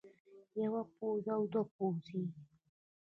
يوه پوزه او دوه پوزې